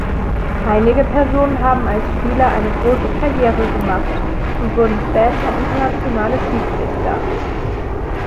Einige Personen haben als Spieler eine große Karriere gemacht und wurden später Internationale Schiedsrichter.